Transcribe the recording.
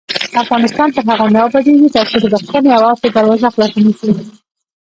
افغانستان تر هغو نه ابادیږي، ترڅو د بښنې او عفوې دروازه خلاصه نشي.